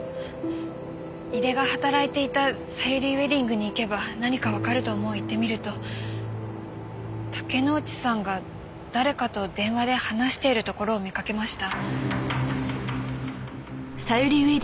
井出が働いていたさゆりウェディングに行けば何かわかると思い行ってみると竹之内さんが誰かと電話で話しているところを見かけました。